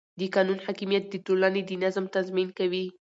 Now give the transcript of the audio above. د قانون حاکمیت د ټولنې د نظم تضمین کوي